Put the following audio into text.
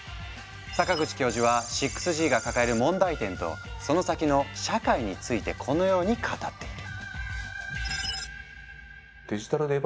阪口教授は６Ｇが抱える問題点とその先の社会についてこのように語っている。